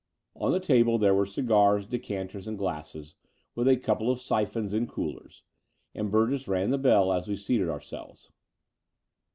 On the table there were cigars, decanters, and glasses, with a couple of syphons in coolers; and Burgess rang the bdl, as we seated ourselves.